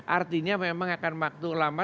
artinya memang akan waktu lama